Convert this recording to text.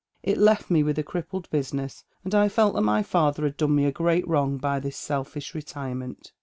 It left me with a crippled business, and I felt that my father had done me a great wrong by this selfish retirement.